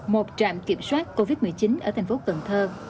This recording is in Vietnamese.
một trạm kiểm soát covid một mươi chín ở thành phố cần thơ